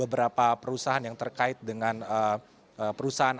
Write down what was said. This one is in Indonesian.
yang terkait dengan perusahaan yang terkait dengan perusahaan yang terkait dengan perusahaan